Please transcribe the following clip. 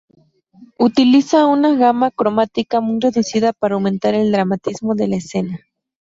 Utiliza una gama cromática muy reducida para aumentar el dramatismo de la escena.